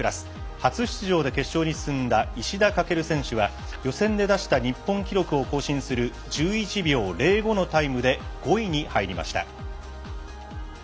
初出場で決勝に進んだ石田駆選手は予選で出した日本記録を更新する１１秒０５のタイムで５位に入りました。